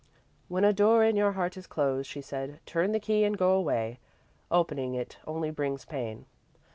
"When a door in your heart is closed," she said, "turn the key and go away. Opening it only brings pain."